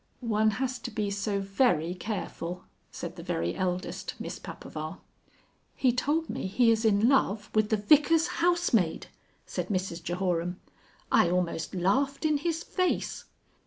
"One has to be so very careful," said the very eldest Miss Papaver. "He told me he is in love with the Vicar's housemaid!" said Mrs Jehoram. "I almost laughed in his face."